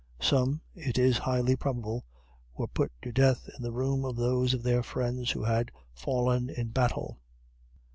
Some, it is highly probable, were put to death in the room of those of their friends who had fallen in battle.